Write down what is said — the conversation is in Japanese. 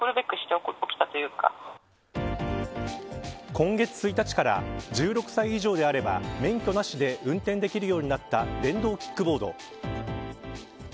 今月１日から１６歳以上であれば免許なしで運転できるようになった電動キックボード。